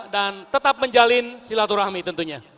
dan tetap menjalin silaturahmi tentunya